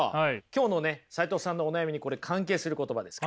今日のね齋藤さんのお悩みにこれ関係する言葉です。